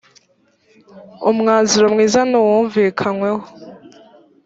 umwanzuro mwiza nuwumvikanyweho .